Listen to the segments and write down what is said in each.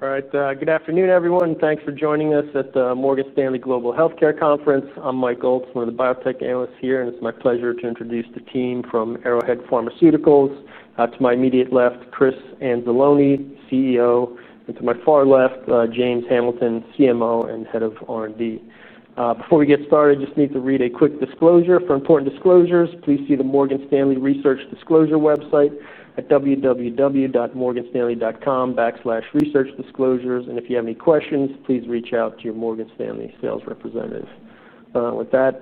All right, good afternoon, everyone. Thanks for joining us at the Morgan Stanley Global Healthcare Conference. I'm Mike Gold, one of the biotech analysts here, and it's my pleasure to introduce the team from Arrowhead Pharmaceuticals. To my immediate left, Chris Anzalone, CEO, and to my far left, James Hamilton, CMO and Head of R&D. Before we get started, I just need to read a quick disclosure. For important disclosures, please see the Morgan Stanley Research Disclosure website at www.morganstanley.com/researchdisclosures. If you have any questions, please reach out to your Morgan Stanley sales representative. With that,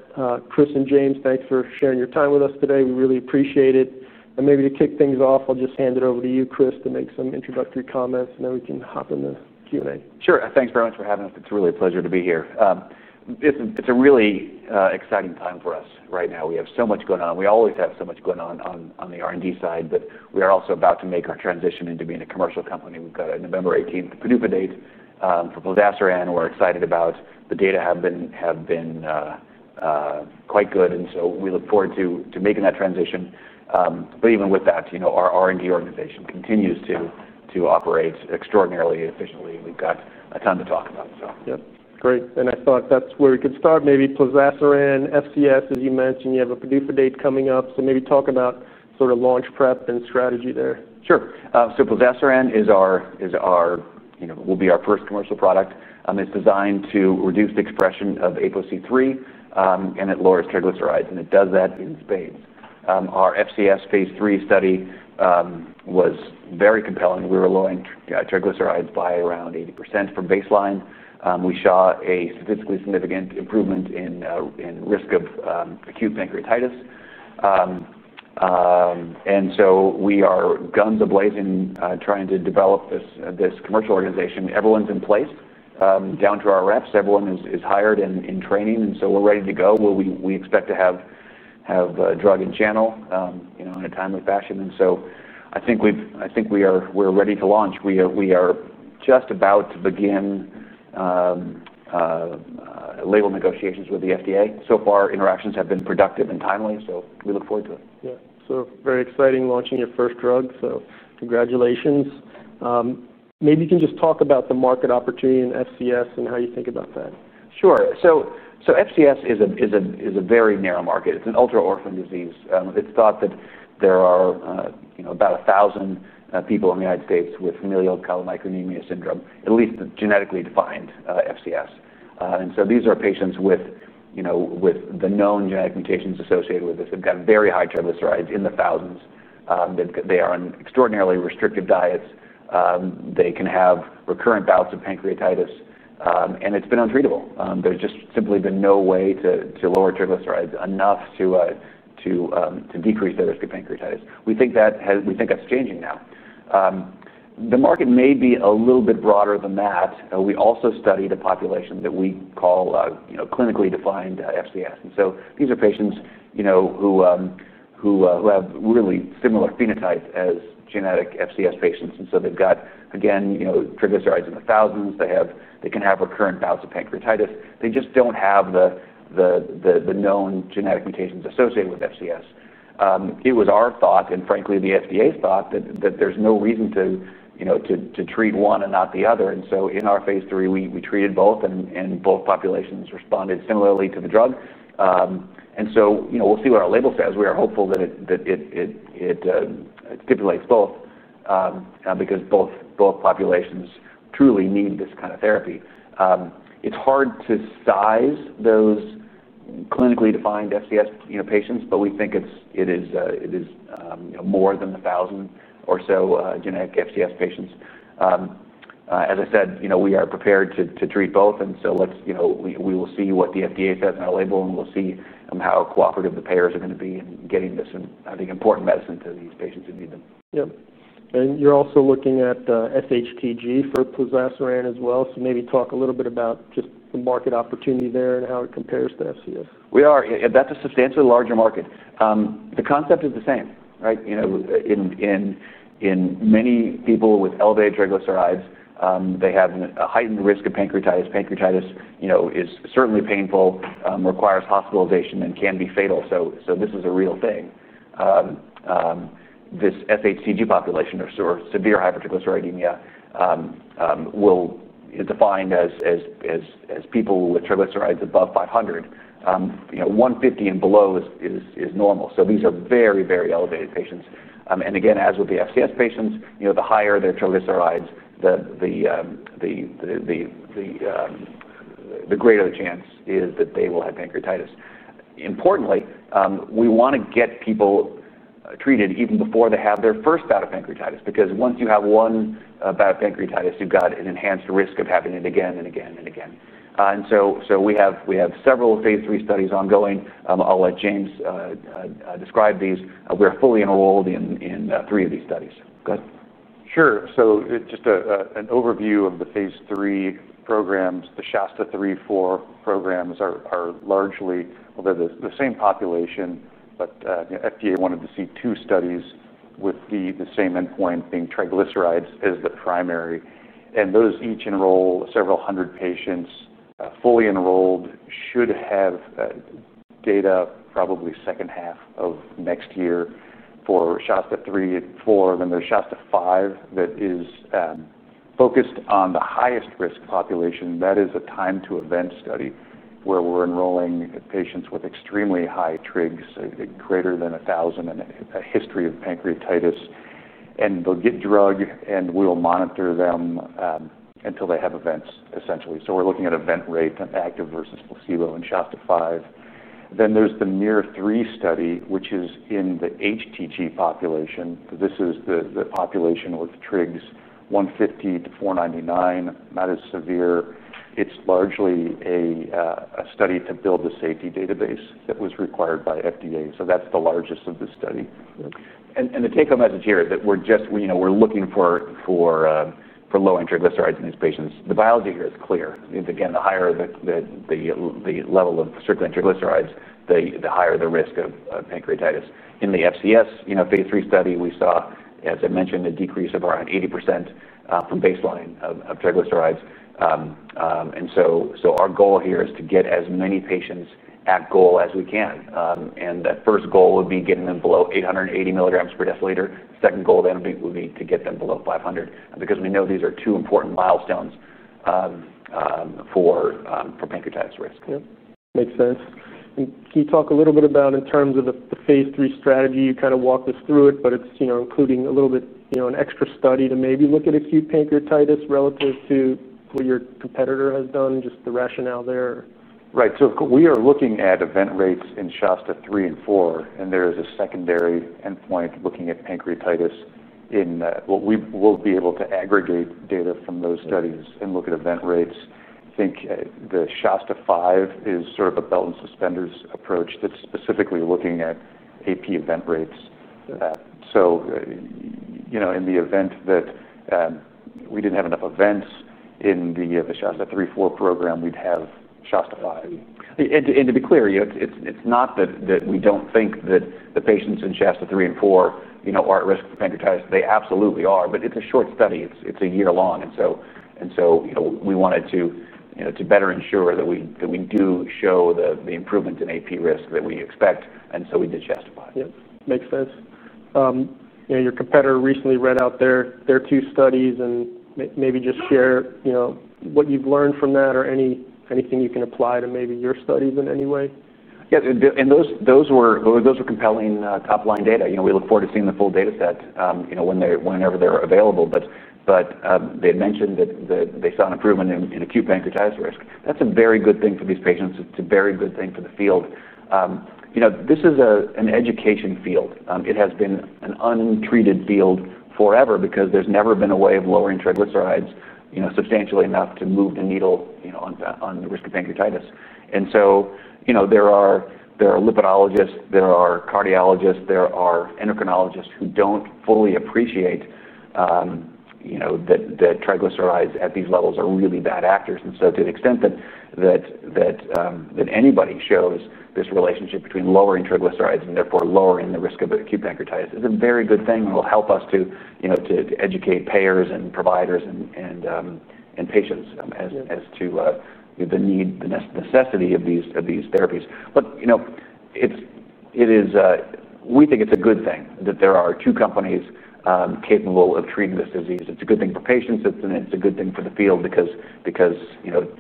Chris and James, thanks for sharing your time with us today. We really appreciate it. Maybe to kick things off, I'll just hand it over to you, Chris, to make some introductory comments, and then we can hop in the Q&A. Sure. Thanks very much for having us. It's really a pleasure to be here. It's a really exciting time for us right now. We have so much going on. We always have so much going on on the R&D side, but we are also about to make our transition into being a commercial company. We've got a November 18th PDUFA date for Plozasiran. We're excited about the data, have been quite good, and we look forward to making that transition. Even with that, you know our R&D organization continues to operate extraordinarily efficiently. We've got a ton to talk about. Yeah, great. I thought that's where we could start. Maybe Plozasiran, FCS, as you mentioned, you have a PDUFA date coming up, so maybe talk about sort of launch prep and strategy there. Sure. Plozasiran is our, you know, will be our first commercial product. It's designed to reduce the expression of ApoC3, and it lowers triglycerides, and it does that in FCS. Our FCS phase 3 study was very compelling. We were lowering triglycerides by around 80% from baseline. We saw a statistically significant improvement in risk of acute pancreatitis. We are guns a-blazing trying to develop this commercial organization. Everyone's in place, down to our reps. Everyone is hired and in training, and we're ready to go. We expect to have drug and channel in a timely fashion. I think we are ready to launch. We are just about to begin label negotiations with the FDA. So far, interactions have been productive and timely, so we look forward to it. Yeah, very exciting launching your first drug, so congratulations. Maybe you can just talk about the market opportunity in FCS and how you think about that. Sure. FCS is a very narrow market. It's an ultra-orphan disease. It's thought that there are about 1,000 people in the U.S. with familial chylomicronemia syndrome, at least genetically defined FCS. These are patients with the known genetic mutations associated with this. They've got very high triglycerides in the thousands. They are on extraordinarily restrictive diets. They can have recurrent bouts of pancreatitis, and it's been untreatable. There's just simply been no way to lower triglycerides enough to decrease the risk of pancreatitis. We think that's changing now. The market may be a little bit broader than that. We also study the population that we call clinically defined FCS. These are patients who have really similar phenotypes as genetic FCS patients. They've got, again, triglycerides in the thousands. They can have recurrent bouts of pancreatitis. They just don't have the known genetic mutations associated with FCS. It was our thought, and frankly, the FDA's thought, that there's no reason to treat one and not the other. In our phase 3, we treated both, and both populations responded similarly to the drug. We'll see what our label says. We are hopeful that it stipulates both because both populations truly need this kind of therapy. It's hard to size those clinically defined FCS patients, but we think it is more than 1,000 or so genetic FCS patients. As I said, we are prepared to treat both, and we will see what the FDA says in our label, and we'll see how cooperative the payers are going to be in getting this, I think, important medicine to these patients who need them. Yeah. You're also looking at SHTG for Plozasiran as well. Maybe talk a little bit about just the market opportunity there and how it compares to FCS. We are. Yeah, that's a substantially larger market. The concept is the same, right? You know, in many people with elevated triglycerides, they have a heightened risk of pancreatitis. Pancreatitis is certainly painful, requires hospitalization, and can be fatal. This is a real thing. This SHTG population, or severe hypertriglyceridemia, will define as people with triglycerides above 500. 150 and below is normal. These are very, very elevated patients. Again, as with the FCS patients, the higher their triglycerides, the greater the chance is that they will have pancreatitis. Importantly, we want to get people treated even before they have their first bout of pancreatitis because once you have one bout of pancreatitis, you've got an enhanced risk of having it again and again and again. We have several phase 3 studies ongoing. I'll let James describe these. We are fully enrolled in three of these studies. Go ahead. Sure. So just an overview of the phase 3 programs. The Shasta-3 and Shasta-4 programs are largely, well, they're the same population, but FDA wanted to see two studies with the same endpoint being triglycerides as the primary. Those each enroll several hundred patients. Fully enrolled, should have data probably second half of next year for Shasta-3 and Shasta-4. There is Shasta-5 that is focused on the highest risk population. That is a time-to-event study where we're enrolling patients with extremely high triglycerides, greater than 1,000, and a history of pancreatitis. They'll get drug, and we'll monitor them until they have events, essentially. We're looking at event rate and active versus placebo in Shasta-5. There is the NEER-3 study, which is in the hypertriglyceridemia population. This is the population with triglycerides 150 to 499, not as severe. It's largely a study to build a safety database that was required by FDA. That's the largest of the study. The take-home message here is that we're just, you know, we're looking for low-end triglycerides in these patients. The biology here is clear. Again, the higher the level of circulating triglycerides, the higher the risk of pancreatitis. In the familial chylomicronemia syndrome (FCS) phase 3 study, we saw, as I mentioned, a decrease of around 80% from baseline of triglycerides. Our goal here is to get as many patients at goal as we can. That first goal would be getting them below 880 milligrams per deciliter. The second goal then would be to get them below 500 because we know these are two important milestones for pancreatitis risk. Yeah, makes sense. Can you talk a little bit about in terms of the phase 3 strategy? You kind of walked us through it, but it's including a little bit of an extra study to maybe look at acute pancreatitis relative to what your competitor has done, just the rationale there. Right. We are looking at event rates in Shasta-3 and Shasta-4, and there is a secondary endpoint looking at pancreatitis in that. We'll be able to aggregate data from those studies and look at event rates. I think Shasta-5 is sort of a belt and suspenders approach that's specifically looking at acute pancreatitis event rates. In the event that we didn't have enough events in the Shasta-3 and Shasta-4 program, we'd have Shasta-5. To be clear, it's not that we don't think that the patients in Shasta-3 and Shasta-4 are at risk for pancreatitis. They absolutely are, but it's a short study. It's a year long, and we wanted to better ensure that we do show the improvement in acute pancreatitis risk that we expect. We did Shasta-5. Yeah, makes sense. You know your competitor recently read out their two studies, and maybe just share what you've learned from that or anything you can apply to maybe your studies in any way. Yeah. Those were compelling top-line data. We look forward to seeing the full data set whenever they're available. They had mentioned that they saw an improvement in acute pancreatitis risk. That's a very good thing for these patients. It's a very good thing for the field. This is an education field. It has been an untreated field forever because there's never been a way of lowering triglycerides substantially enough to move the needle on the risk of pancreatitis. There are lipidologists, there are cardiologists, there are endocrinologists who don't fully appreciate that triglycerides at these levels are really bad actors. To the extent that anybody shows this relationship between lowering triglycerides and therefore lowering the risk of acute pancreatitis, it's a very good thing and will help us to educate payers and providers and patients as to the need, the necessity of these therapies. We think it's a good thing that there are two companies capable of treating this disease. It's a good thing for patients. It's a good thing for the field because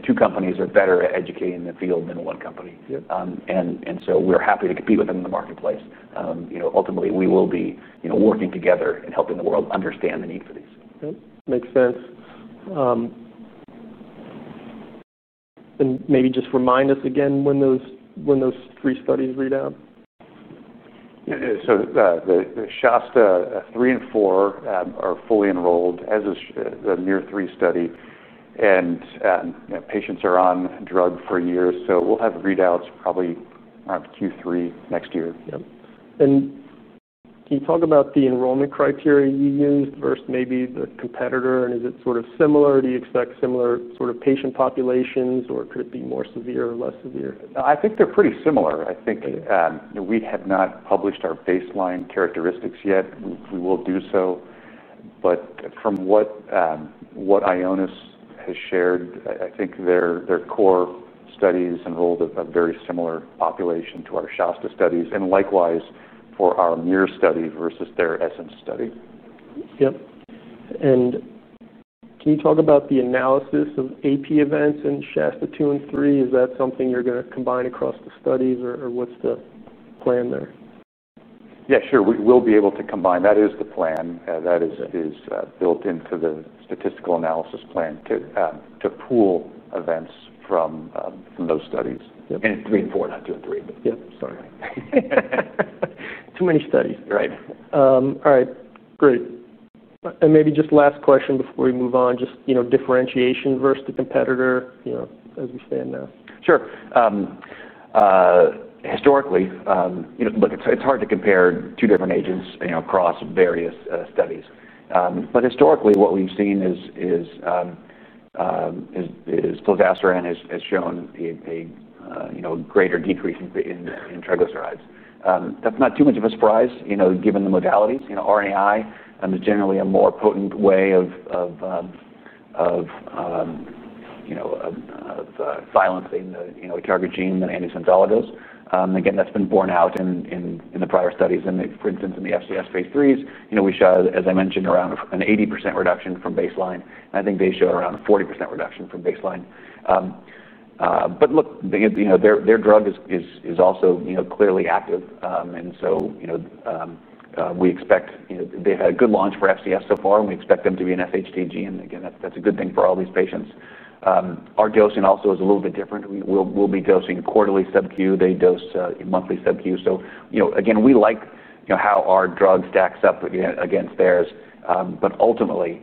two companies are better at educating the field than one company. We're happy to compete with them in the marketplace. Ultimately, we will be working together and helping the world understand the need for these. Yeah, makes sense. Maybe just remind us again when those three studies read out. Yeah. The Shasta-3 and Shasta-4 are fully enrolled as the NEER-3 study, and patients are on drug for years. We'll have readouts probably in Q3 next year. Can you talk about the enrollment criteria you use versus maybe the competitor? Is it sort of similar? Do you expect similar sort of patient populations or could it be more severe or less severe? I think they're pretty similar. I think we have not published our baseline characteristics yet. We will do so. From what Ionis Pharmaceuticals has shared, I think their core studies enrolled a very similar population to our Shasta studies, and likewise for our NEER-3 study versus their ESSENCE study. Can you talk about the analysis of acute pancreatitis events in Shasta-2 and Shasta-3? Is that something you're going to combine across the studies, or what's the plan there? Yeah, sure. We will be able to combine. That is the plan. That is built into the statistical analysis plan to pool events from those studies. Three and four, not two and three. Yeah, sorry. Too many studies, right? All right. Great. Maybe just last question before we move on, just differentiation versus the competitor, you know as we stand now. Sure. Historically, you know, look, it's hard to compare two different agents across various studies. Historically, what we've seen is Plozasiran has shown a greater decrease in triglycerides. That's not too much of a surprise, you know, given the modalities. You know, RNAi is generally a more potent way of silencing the target gene than the antisense methodology. Again, that's been borne out in the prior studies. For instance, in the familial chylomicronemia syndrome phase 3s, we showed, as I mentioned, around an 80% reduction from baseline. I think they showed around a 40% reduction from baseline. Their drug is also clearly active. We expect they've had a good launch for familial chylomicronemia syndrome so far, and we expect them to be in severe hypertriglyceridemia. Again, that's a good thing for all these patients. Our dosing also is a little bit different. We'll be dosing quarterly subcu. They dose monthly subcu. We like how our drug stacks up against theirs. Ultimately,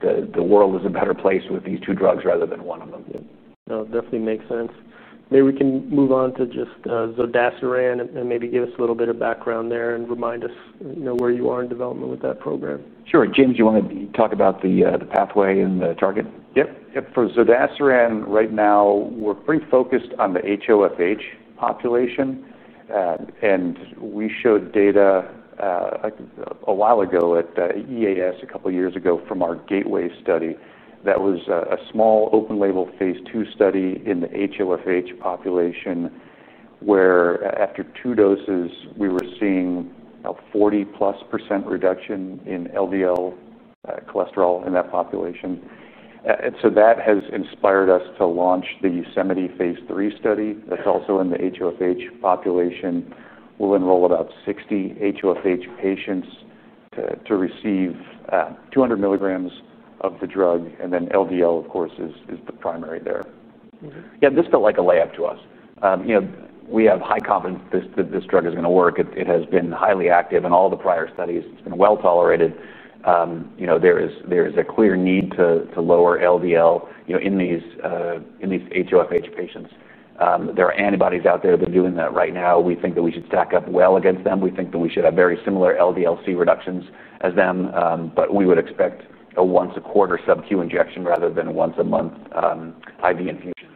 the world is a better place with these two drugs rather than one of them. No, definitely makes sense. Maybe we can move on to just Zodasiran and maybe give us a little bit of background there and remind us where you are in development with that program. Sure. James, do you want to talk about the pathway and the target? Yep. Yep. For Zodasiran, right now, we're pretty focused on the HoFH population. We showed data a while ago at EAS, a couple of years ago from our Gateway study that was a small open-label phase 2 study in the HoFH population where after two doses, we were seeing a 40+% reduction in LDL cholesterol in that population. That has inspired us to launch the Yosemite phase 3 study that's also in the HoFH population. We'll enroll about 60 HoFH patients to receive 200 milligrams of the drug, and then LDL, of course, is the primary there. Yeah. This felt like a layup to us. We have high confidence that this drug is going to work. It has been highly active in all the prior studies. It's been well tolerated. There is a clear need to lower LDL in these HoFH patients. There are antibodies out there that are doing that right now. We think that we should stack up well against them. We think that we should have very similar LDL-C reductions as them. We would expect a once-a-quarter subcu injection rather than a once-a-month IV infusion.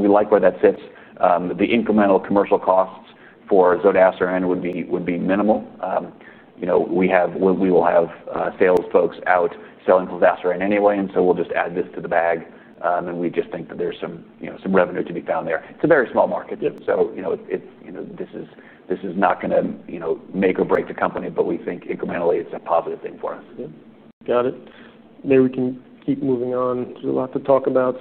We like where that sits. The incremental commercial costs for Zodasiran would be minimal. We will have sales folks out selling Plozasiran anyway, and we will just add this to the bag. We think that there's some revenue to be found there. It's a very small market. This is not going to make or break the company, but we think incrementally, it's a positive thing for us. Got it. Maybe we can keep moving on. There's a lot to talk about.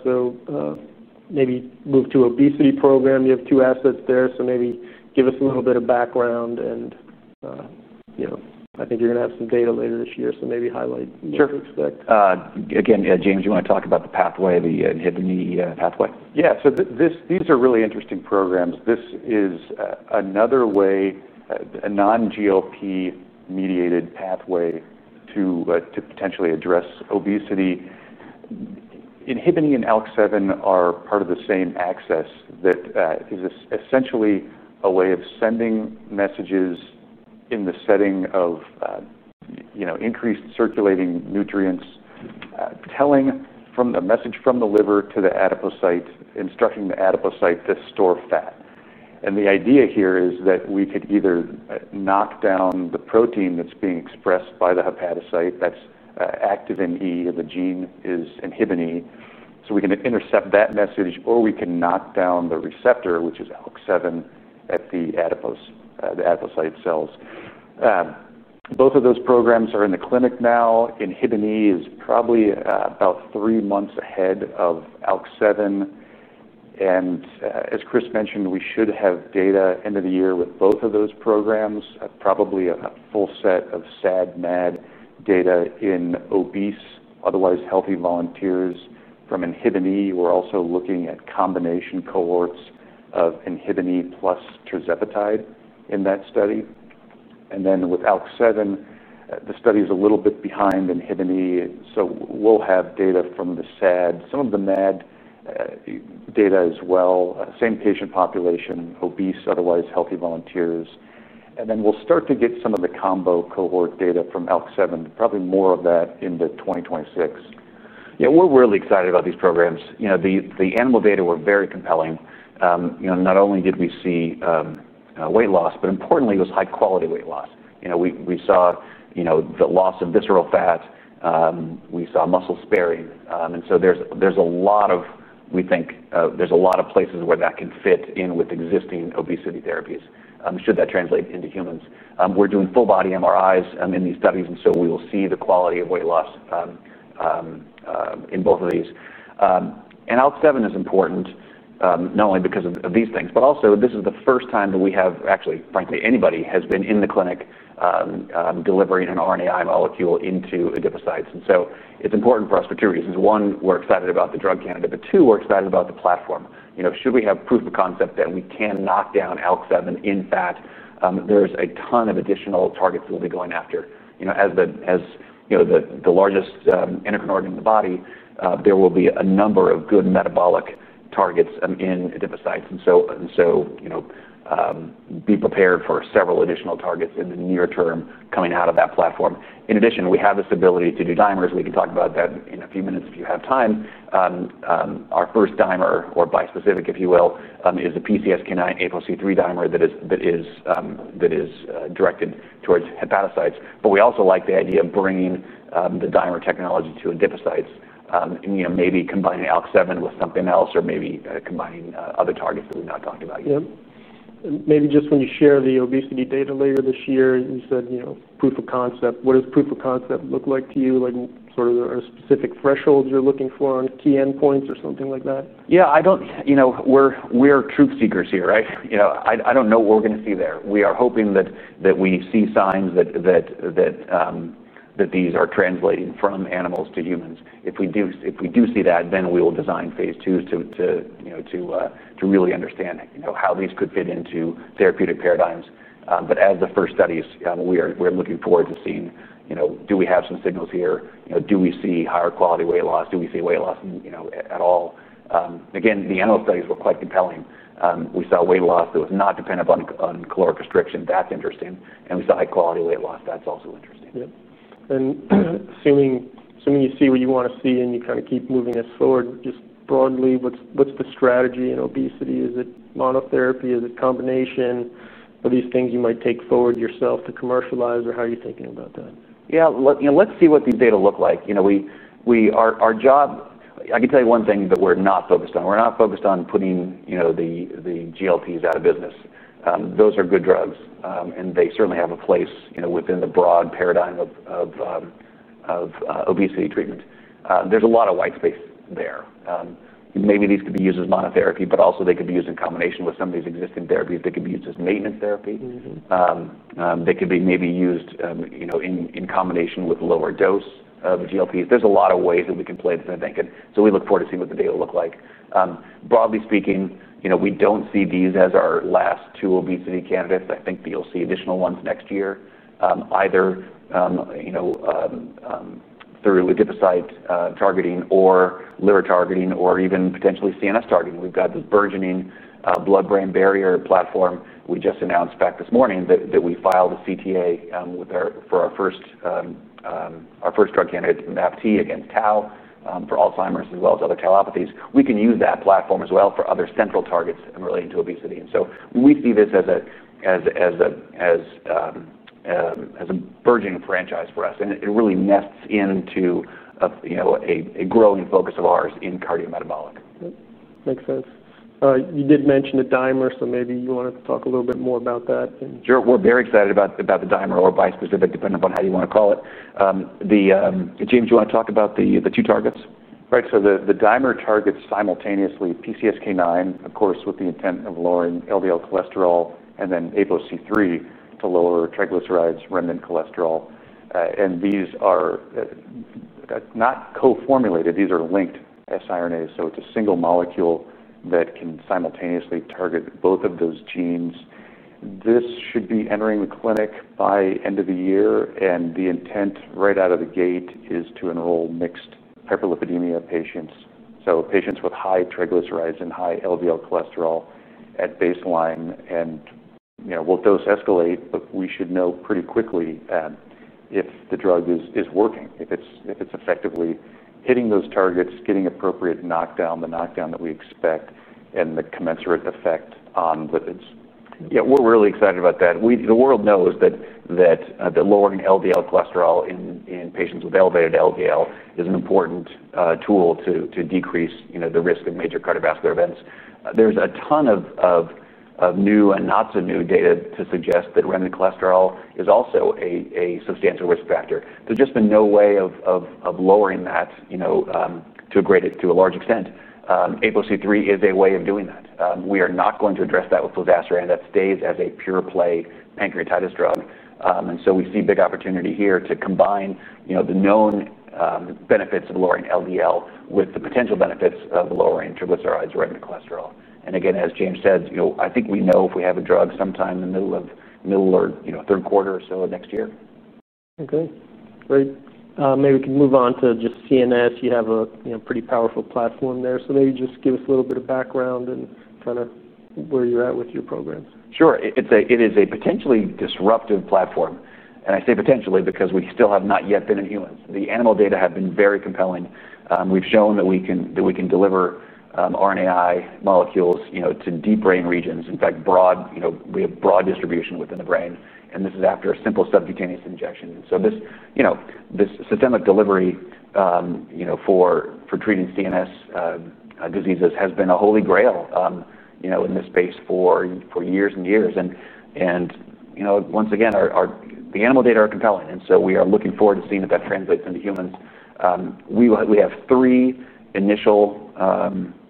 Maybe move to obesity program. You have two assets there. Maybe give us a little bit of background. I think you're going to have some data later this year. Maybe highlight what you expect. Sure. Again, James, do you want to talk about the pathway, the INHBE pathway? Yeah. These are really interesting programs. This is another way, a non-GLP-1-mediated pathway to potentially address obesity. INHBE and ALK7 are part of the same axis that is essentially a way of sending messages in the setting of increased circulating nutrients, telling a message from the liver to the adipocyte, instructing the adipocyte to store fat. The idea here is that we could either knock down the protein that's being expressed by the hepatocyte that's active in E, the gene is INHBE. We can intercept that message, or we can knock down the receptor, which is ALK7, at the adipocyte cells. Both of those programs are in the clinic now. INHBE is probably about three months ahead of ALK7. As Chris mentioned, we should have data end of the year with both of those programs, probably a full set of SAD/MAD data in obese, otherwise healthy volunteers from INHBE. We're also looking at combination cohorts of INHBE plus tirzepatide in that study. With ALK7, the study is a little bit behind INHBE. We'll have data from the SAD, some of the MAD data as well, same patient population, obese, otherwise healthy volunteers. We'll start to get some of the combo cohort data from ALK7, probably more of that into 2026. Yeah, we're really excited about these programs. The animal data were very compelling. Not only did we see weight loss, but importantly, it was high-quality weight loss. We saw the loss of visceral fat. We saw muscle sparing. There's a lot of, we think there's a lot of places where that can fit in with existing obesity therapies should that translate into humans. We're doing full-body MRIs in these studies, and we will see the quality of weight loss in both of these. ALK7 is important not only because of these things, but also this is the first time that we have actually, frankly, anybody has been in the clinic delivering an RNAi molecule into adipocytes. It's important for us for two reasons. One, we're excited about the drug candidate, but two, we're excited about the platform. Should we have proof of concept that we can knock down ALK7 in fat, there's a ton of additional targets that we'll be going after. As the largest endocrine organ in the body, there will be a number of good metabolic targets in adipocytes. Be prepared for several additional targets in the near term coming out of that platform. In addition, we have this ability to do dimers. We can talk about that in a few minutes if you have time. Our first dimer, or bispecific if you will, is a PCSK9 ApoC3 dimer that is directed towards hepatocytes. We also like the idea of bringing the dimer technology to adipocytes and maybe combining ALK7 with something else or maybe combining other targets that we've not talked about yet. Yeah. When you share the obesity data later this year, you said, you know, proof of concept. What does proof of concept look like to you? Like sort of a specific threshold you're looking for on key endpoints or something like that? Yeah. I don't, you know, we're truth seekers here, right? I don't know what we're going to see there. We are hoping that we see signs that these are translating from animals to humans. If we do see that, then we will design phase twos to really understand how these could fit into therapeutic paradigms. As the first studies, we're looking forward to seeing, you know, do we have some signals here? Do we see higher quality weight loss? Do we see weight loss at all? The animal studies were quite compelling. We saw weight loss that was not dependent on caloric restriction. That's interesting. We saw high-quality weight loss. That's also interesting. Assuming you see what you want to see and you kind of keep moving it forward, just broadly, what's the strategy in obesity? Is it monotherapy? Is it combination of these things you might take forward yourself to commercialize, or how are you thinking about that? Yeah. Let's see what the data look like. You know, our job, I can tell you one thing that we're not focused on. We're not focused on putting the GLPs out of business. Those are good drugs, and they certainly have a place within the broad paradigm of obesity treatment. There's a lot of white space there. Maybe these could be used as monotherapy, but also they could be used in combination with some of these existing therapies. They could be used as maintenance therapy. They could be maybe used in combination with lower dose of GLP. There's a lot of ways that we can play this in thinking. We look forward to seeing what the data look like. Broadly speaking, you know, we don't see these as our last two obesity candidates. I think we'll see additional ones next year, either through adipocyte targeting or liver targeting or even potentially CNS targeting. We've got this burgeoning blood-brain barrier platform. We just announced back this morning that we filed a CTA for our first drug candidate, MAPT, against tau for Alzheimer's as well as other tauopathies. We can use that platform as well for other central targets relating to obesity. We see this as a burgeoning franchise for us. It really nests into a growing focus of ours in cardiometabolic. Makes sense. You did mention the bispecific PCSK9/ApoC3 dimer, so maybe you wanted to talk a little bit more about that. Sure. We're very excited about the dimer or bispecific, depending upon how you want to call it. James, do you want to talk about the two targets? Right. The dimer targets simultaneously PCSK9, of course, with the intent of lowering LDL cholesterol, and then ApoC3 to lower triglycerides and remnant cholesterol. These are not co-formulated. These are linked as RNA, so it's a single molecule that can simultaneously target both of those genes. This should be entering the clinic by end of the year. The intent right out of the gate is to enroll mixed hyperlipidemia patients, patients with high triglycerides and high LDL cholesterol at baseline. We'll dose escalate, but we should know pretty quickly if the drug is working, if it's effectively hitting those targets, getting appropriate knockdown, the knockdown that we expect, and the commensurate effect on lipids. Yeah, we're really excited about that. The world knows that lowering LDL cholesterol in patients with elevated LDL is an important tool to decrease the risk of major cardiovascular events. There's a ton of new and not-so-new data to suggest that remnant cholesterol is also a substantial risk factor. There's just been no way of lowering that to a large extent. APOC3 is a way of doing that. We are not going to address that with Plozasiran. That stays as a pure-play pancreatitis drug. We see a big opportunity here to combine the known benefits of lowering LDL with the potential benefits of lowering triglycerides and remnant cholesterol. Again, as James said, I think we know if we have a drug sometime in the middle of the third quarter or so of next year. Okay. Great. Maybe we can move on to just CNS. You have a pretty powerful platform there. Maybe just give us a little bit of background and kind of where you're at with your program. Sure. It is a potentially disruptive platform. I say potentially because we still have not yet been in humans. The animal data have been very compelling. We've shown that we can deliver RNAi molecules to deep brain regions. In fact, we have broad distribution within the brain. This is after a simple subcutaneous injection. This systemic delivery for treating CNS diseases has been a holy grail in this space for years and years. You know, once again, the animal data are compelling. We are looking forward to seeing if that translates into humans. We have three initial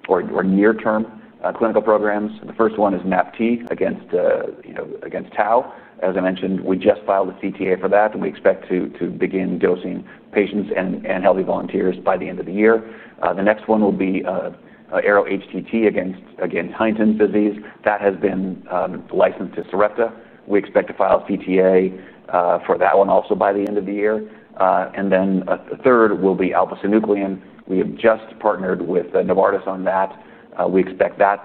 or near-term clinical programs. The first one is MAPT against tau. As I mentioned, we just filed a CTA for that, and we expect to begin dosing patients and healthy volunteers by the end of the year. The next one will be ARO-HTT against Huntington's disease. That has been licensed to Sarepta Therapeutics. We expect to file a CTA for that one also by the end of the year. The third will be alpha-synuclein. We have just partnered with Novartis on that. We expect that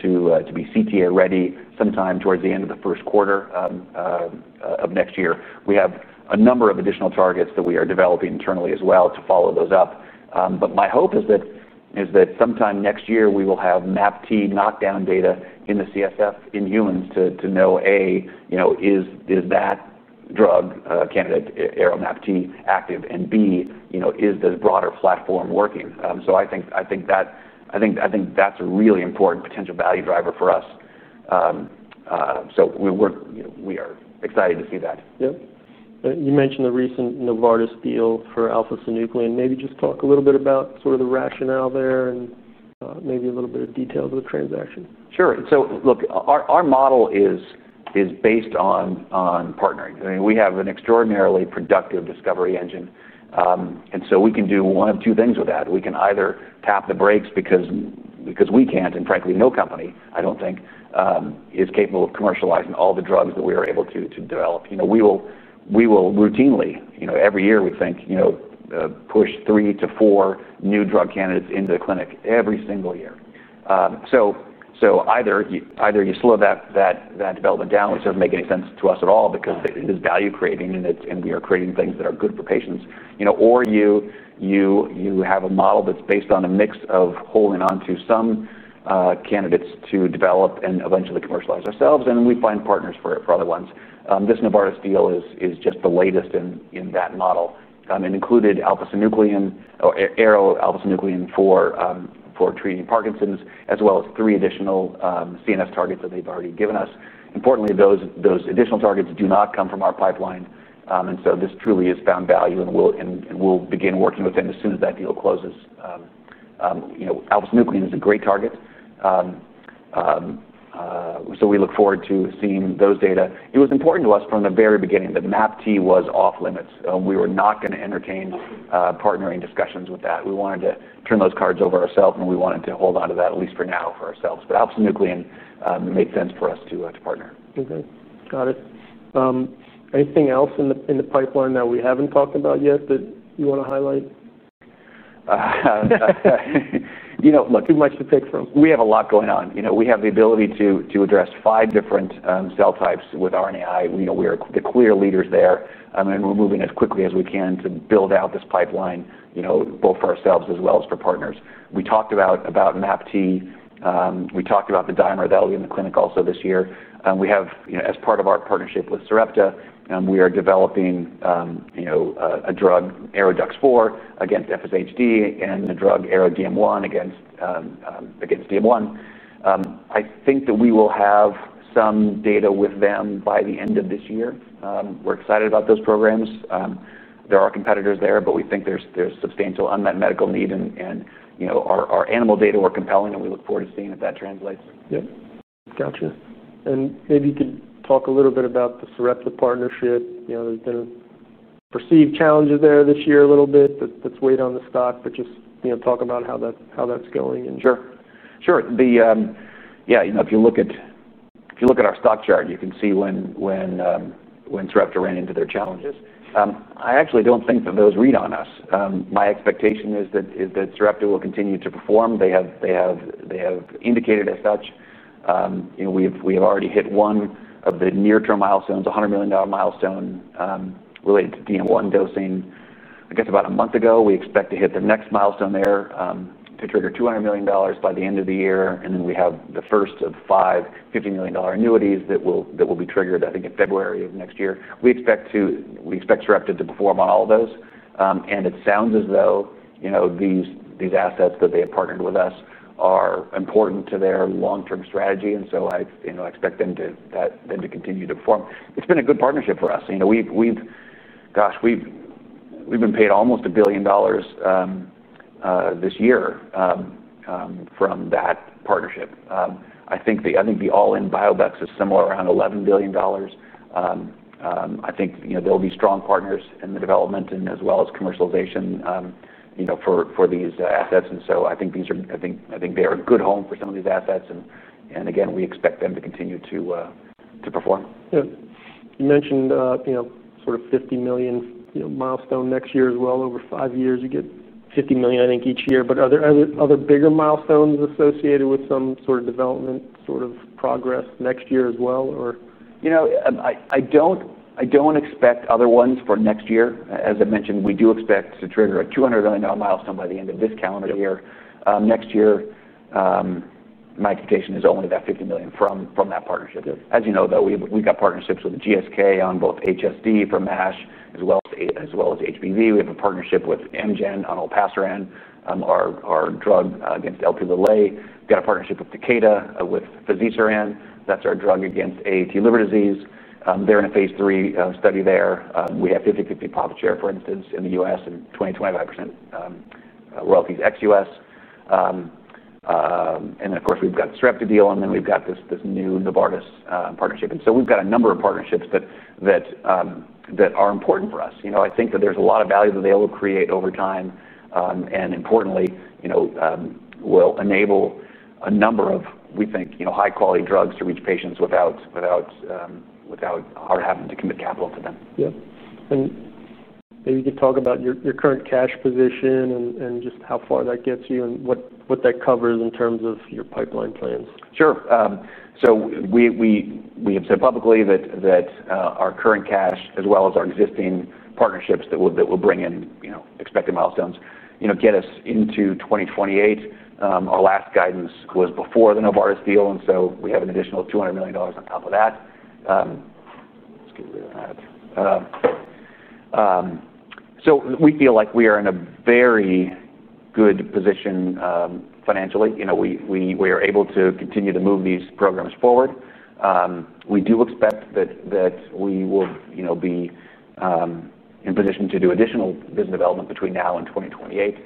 to be CTA-ready sometime towards the end of the first quarter of next year. We have a number of additional targets that we are developing internally as well to follow those up. My hope is that sometime next year, we will have MAPT knockdown data in the CSF in humans to know, A, you know, is that drug candidate, ARO-MAPT, active? B, you know, is this broader platform working? I think that's a really important potential value driver for us. We are excited to see that. Yeah. You mentioned the recent Novartis deal for alpha-synuclein. Maybe just talk a little bit about sort of the rationale there and maybe a little bit of detail to the transaction. Sure. Our model is based on partnering. We have an extraordinarily productive discovery engine. We can do one of two things with that. We can either tap the brakes because we can't, and frankly, no company, I don't think, is capable of commercializing all the drugs that we are able to develop. We will routinely, every year, we think, push three to four new drug candidates into the clinic every single year. Either you slow that development down, which doesn't make any sense to us at all because it is value creating and we are creating things that are good for patients, or you have a model that's based on a mix of holding on to some candidates to develop and eventually commercialize ourselves. We find partners for other ones. This Novartis deal is just the latest in that model. It included ARO-alpha-synuclein for treating Parkinson's, as well as three additional CNS targets that they've already given us. Importantly, those additional targets do not come from our pipeline. This truly has found value, and we'll begin working with them as soon as that deal closes. Alpha-synuclein is a great target. We look forward to seeing those data. It was important to us from the very beginning that MAPT was off-limits. We were not going to entertain partnering discussions with that. We wanted to turn those cards over ourselves, and we wanted to hold on to that at least for now for ourselves. Alpha-synuclein made sense for us to partner. Okay. Got it. Anything else in the pipeline that we haven't talked about yet that you want to highlight? Look. Too much to pick from. We have a lot going on. We have the ability to address five different cell types with RNAi. We are the clear leaders there. We're moving as quickly as we can to build out this pipeline, both for ourselves as well as for partners. We talked about MAPT. We talked about the bispecific PCSK9/ApoC3 dimer that will be in the clinic also this year. As part of our partnership with Sarepta Therapeutics, we are developing a drug, ARO-DUX4, against FSHD, and a drug, ARO-DM1, against DM1. I think that we will have some data with them by the end of this year. We're excited about those programs. There are competitors there, but we think there's substantial unmet medical need. Our animal data were compelling, and we look forward to seeing if that translates. Yeah. Gotcha. Maybe you can talk a little bit about the Sarepta Therapeutics partnership. You know, there's been perceived challenges there this year a little bit that's weighed on the stock, but just, you know, talk about how that's going. Sure. If you look at our stock chart, you can see when Sarepta Therapeutics ran into their challenges. I actually don't think that those read on us. My expectation is that Sarepta Therapeutics will continue to perform. They have indicated as such. We have already hit one of the near-term milestones, a $100 million milestone related to one dosing, I guess, about a month ago. We expect to hit the next milestone there to trigger $200 million by the end of the year. We have the first of five $50 million annuities that will be triggered, I think, in February of next year. We expect Sarepta Therapeutics to perform on all of those. It sounds as though these assets that they have partnered with us are important to their long-term strategy. I expect them to continue to perform. It's been a good partnership for us. We've been paid almost $1 billion this year from that partnership. I think the all-in biobanks is somewhere around $11 billion. I think there'll be strong partners in the development and as well as commercialization for these assets. I think they are a good home for some of these assets. Again, we expect them to continue to perform. Yeah. You mentioned, you know, sort of $50 million milestone next year as well. Over five years, you get $50 million, I think, each year. Are there other bigger milestones associated with some sort of development sort of progress next year as well, or, you know. I don't expect other ones for next year. As I mentioned, we do expect to trigger a $200 million milestone by the end of this calendar year. Next year, my expectation is only that $50 million from that partnership. As you know, though, we've got partnerships with GSK on both HSD for MASH, as well as HBV. We have a partnership with Amgen on Olpasiran, our drug against LP(a). We've got a partnership with Takeda with Fazirsiran. That's our drug against AAT liver disease. They're in a phase 3 study there. We have 50/50 Plozasiran, for instance, in the U.S. and 20% to 25% low FEVX U.S. Of course, we've got the Sarepta Therapeutics deal, and we've got this new Novartis partnership. We've got a number of partnerships that are important for us. I think that there's a lot of value that they will create over time. Importantly, you know, will enable a number of, we think, high-quality drugs to reach patients without having to commit capital to them. Maybe you could talk about your current cash position and just how far that gets you and what that covers in terms of your pipeline plans. Sure. We have said publicly that our current cash, as well as our existing partnerships that will bring in expected milestones, get us into 2028. Our last guidance was before the Novartis deal, and we have an additional $200 million on top of that. We feel like we are in a very good position financially. We are able to continue to move these programs forward. We do expect that we will be in position to do additional business development between now and 2028.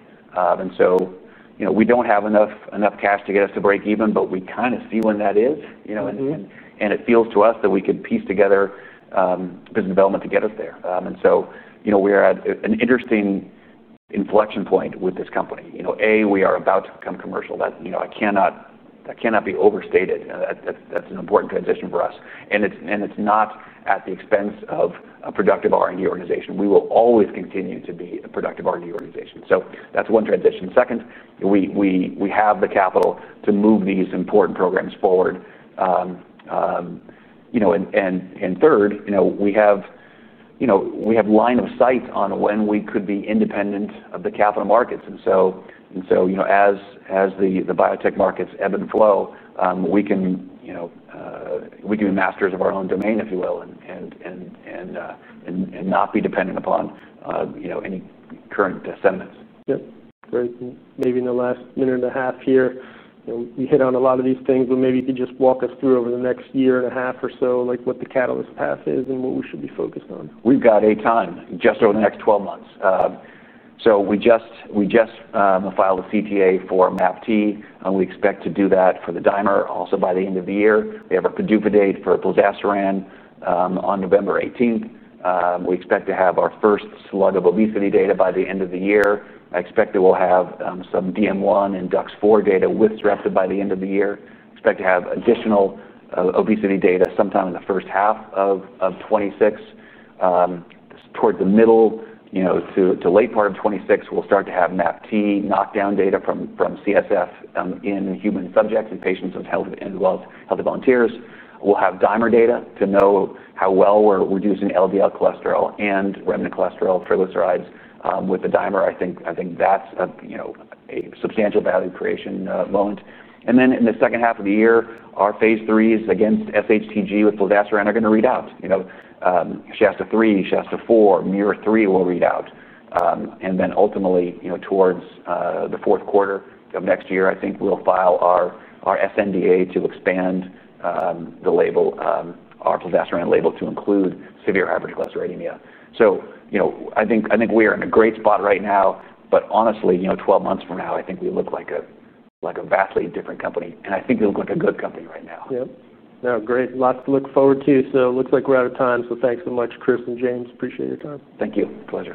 We do not have enough cash to get us to break even, but we kind of see when that is, and it feels to us that we could piece together business development to get us there. We are at an interesting inflection point with this company. A, we are about to become commercial. That cannot be overstated. That is an important transition for us, and it is not at the expense of a productive R&D organization. We will always continue to be a productive R&D organization. That is one transition. Second, we have the capital to move these important programs forward. Third, we have line of sight on when we could be independent of the capital markets. As the biotech markets ebb and flow, we can be masters of our own domain, if you will, and not be dependent upon any current bestsenders. Great. Maybe in the last year and a half here, you hit on a lot of these things, but maybe you could just walk us through over the next year and a half or so, like what the catalyst path is and what we should be focused on. We've got a ton just over the next 12 months. We just filed a CTA for MAPT. We expect to do that for the dimer also by the end of the year. We have a PDUFA update for Plozasiran on November 18th. We expect to have our first slug of obesity data by the end of the year. I expect that we'll have some DM1 and DUX4 data with Sarepta Therapeutics by the end of the year. I expect to have additional obesity data sometime in the first half of 2026. Toward the middle to late part of 2026, we'll start to have MAPT knockdown data from CSF in human subjects and patients with healthy volunteers. We'll have dimer data to know how well we're reducing LDL cholesterol and remnant cholesterol or triglycerides with the dimer. I think that's a substantial value creation moment. In the second half of the year, our phase 3s against severe hypertriglyceridemia with Plozasiran are going to read out. Shasta-3, Shasta-4, NEER-3 will read out. Ultimately, towards the fourth quarter of next year, I think we'll file our sNDA to expand our Plozasiran label to include severe hypertriglyceridemia. I think we are in a great spot right now. Honestly, 12 months from now, I think we look like a vastly different company. I think we look like a good company right now. Yeah. No, great. Lots to look forward to. It looks like we're out of time. Thanks so much, Chris and James. Appreciate your time. Thank you. Pleasure.